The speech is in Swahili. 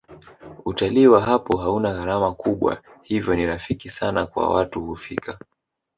utalii wa hapo hauna gharama kubwa hivyo ni rafiki sana kwa watu kufika